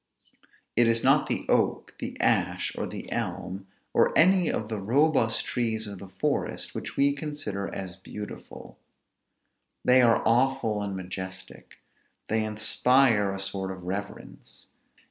It is not the oak, the ash, or the elm, or any of the robust trees of the forest which we consider as beautiful; they are awful and majestic, they inspire a sort of reverence.